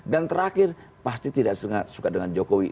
terakhir pasti tidak suka dengan jokowi